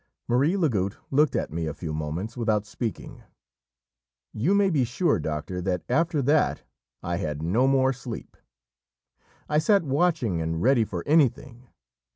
Marie Lagoutte looked at me a few moments without speaking. "You may be sure, doctor, that after that I had no more sleep; I sat watching and ready for anything.